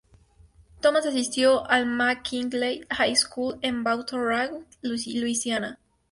Thomas asistió al McKinley High School en Baton Rouge, Luisiana.